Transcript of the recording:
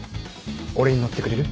俺に乗ってくれる？